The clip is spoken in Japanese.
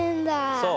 そう。